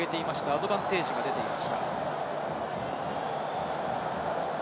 アドバンテージが出ています。